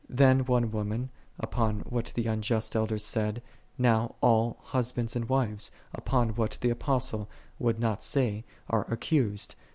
Then one woman, upon what the elders said, now all husbands and upon what the Apostle would not say, are accused.